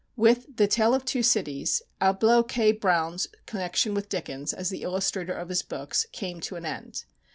With "The Tale of Two Cities" Hablôt K. Browne's connection with Dickens, as the illustrator of his books, came to an end.